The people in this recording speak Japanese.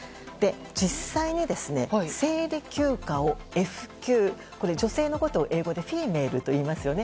実際に生理休暇をＦ休、女性のことを英語でＦｅｍａｌｅといいますよね。